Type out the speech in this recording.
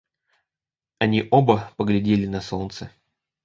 Они оба поглядели на солнце.